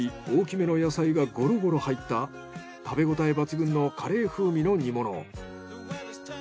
大きめの野菜がゴロゴロ入った食べ応え抜群のカレー風味の煮物。